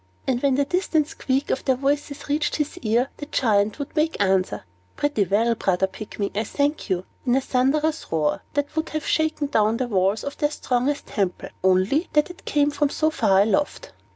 And when the small distant squeak of their voices reached his ear, the Giant would make answer, "Pretty well, brother Pygmy, I thank you," in a thunderous roar that would have shaken down the walls of their strongest temple, only that it came from so far aloft.